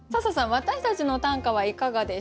私たちの短歌はいかがでしたか？